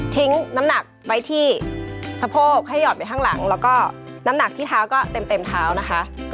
น้ำหนักไว้ที่สะโพกให้หอดไปข้างหลังแล้วก็น้ำหนักที่เท้าก็เต็มเท้านะคะ